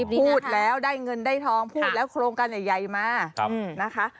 พูดแล้วได้เงินได้ทองพูดแล้วโครงการใหญ่มานะคะ